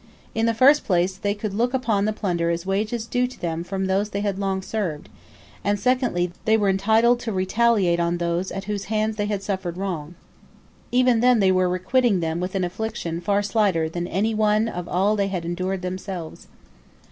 In the first place they could look upon their plunder as wages due to them from those they had long served, and, secondly, they were entitled to retaliate on those at whose hands they had suffered wrong. Even then they were requiting them with an affliction far slighter than any one of all they had endured themselves.